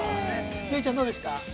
結実ちゃん、どうでした？